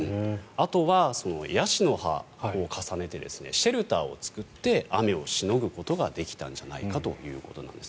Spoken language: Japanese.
あとはヤシの葉を重ねてシェルターを作って雨をしのぐことができたんじゃないかということなんです。